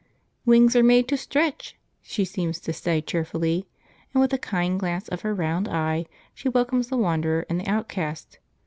"Wings are made to stretch," she seems to say cheerfully, and with a kind glance of her round eye she welcomes the wanderer and the outcast.